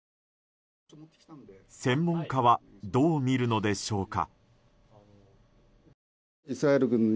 専門家はどう見るのでしょうか。